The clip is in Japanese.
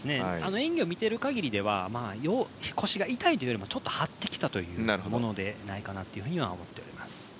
演技を見ている限りでは腰が痛いというよりもちょっと張ってきたものでないかなとみています。